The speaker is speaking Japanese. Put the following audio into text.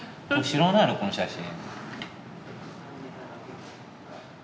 知らないのこの写真。